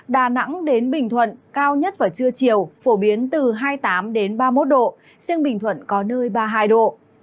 đà nẵng đến bình thuận cao nhất vào trưa chiều phổ biến từ hai mươi tám ba mươi một độ riêng bình thuận có nơi ba mươi hai độ